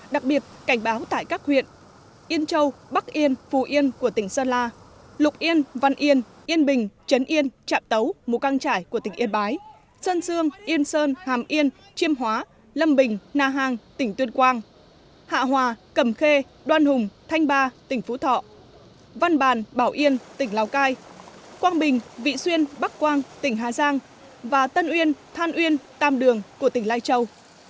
đặc biệt cảnh báo tại các huyện yên châu bắc yên phú yên của tỉnh sơn la lục yên văn yên yên bình trấn yên trạm tấu mù căng trải của tỉnh yên bái sơn sương yên sơn hàm yên chiêm hóa lâm bình na hàng tỉnh tuyên quang hạ hòa cầm khê đoan hùng thanh ba tỉnh phú thọ văn bàn bảo yên tỉnh lào cai quang bình vị xuyên bắc quang tỉnh hà giang và tân yên than yên tam đường của tỉnh lai châu